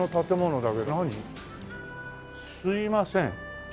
すいません。